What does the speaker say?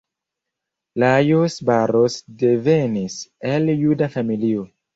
Lajos Boros devenis el juda familio.